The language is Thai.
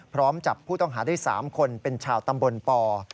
พร้อมจับผู้ต้องหาได้๓คนเป็นชาวตำบลป